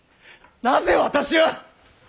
なぜ私は！